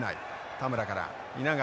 田村から稲垣